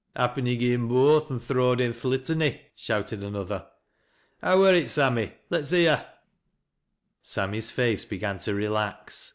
"" Happen he gi' him both, and throwed in th' Li( any,'" shouted another. "How wur it, Sammy? Let's hcvvr." Sammy's face began to relax.